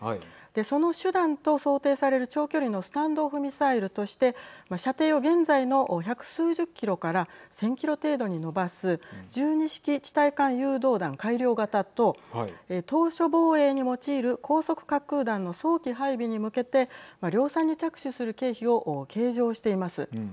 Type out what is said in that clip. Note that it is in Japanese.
その手段と想定される長距離のスタンド・オフ・ミサイルとして射程を現在の百数十キロから１０００キロ程度に伸ばす１２式地対艦誘導弾改良型と島しょ防衛に用いる高速滑空弾の早期配備に向けて量産に着手する経費を計上しています。